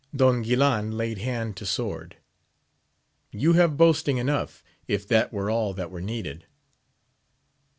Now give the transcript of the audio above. Don Guilan laid hand to sword : you have boasting enough, if that were all that were needed.